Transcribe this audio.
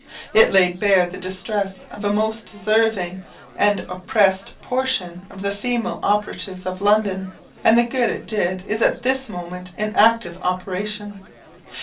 It laid bare the distress of a most deserving and oppressed portion of the female operatives of London; and the good it did is at this moment in active operation.